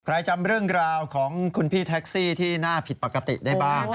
จำเรื่องราวของคุณพี่แท็กซี่ที่น่าผิดปกติได้บ้าง